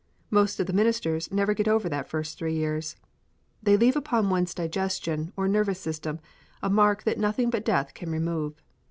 Most of the ministers never get over that first three years. They leave upon one's digestion or nervous system a mark that nothing but death can remove.